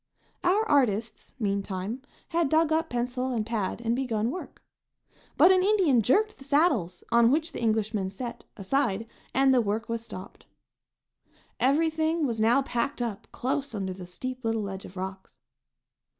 Our artists, meantime, had dug up pencil and pad and begun work. But an Indian jerked the saddles, on which the Englishmen sat, aside, and the work was stopped. Everything was now packed up close under the steep little ledge of rocks.